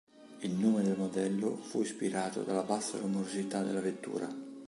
Il nome del modello fu ispirato dalla bassa rumorosità della vettura.